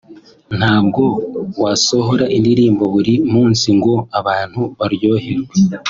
ntabwo wasohora indirimbo buri munsi ngo abantu baryoherwe